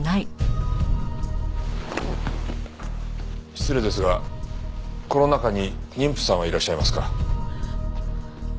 失礼ですがこの中に妊婦さんはいらっしゃいますか？